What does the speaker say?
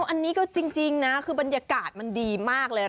อันนี้ก็จริงนะคือบรรยากาศมันดีมากเลย